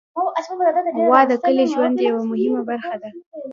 غوا د کلي ژوند یوه مهمه برخه ده.